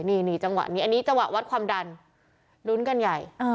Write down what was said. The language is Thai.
นี่จังหวะนี้อันนี้จังหวะวัดความดันลุ้นกันใหญ่